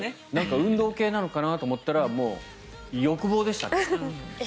運動系かと思ったら欲望でしたね。